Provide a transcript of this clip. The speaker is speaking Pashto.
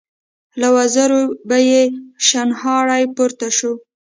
له وزرو به يې شڼهاری پورته شو.